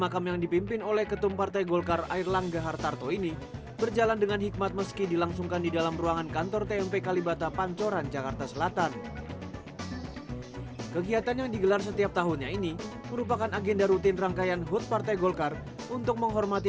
ketua umum partai golkar herlangga hartarto